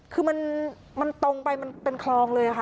คือมันตรงไปมันเป็นคลองเลยค่ะ